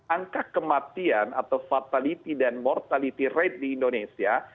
angka kematian atau fatality dan mortality rate di indonesia